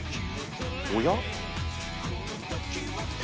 おや？